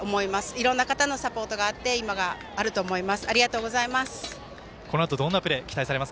いろんな方のサポートがあって今があると思います。